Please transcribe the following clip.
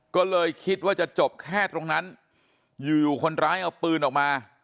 ก็เลยคิดว่าจะจบแค่ตรงนั้นอยู่คนร้ายเอาปืนออกมา